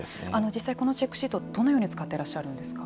実際このチェックシートをどのように使っていらっしゃるんですか。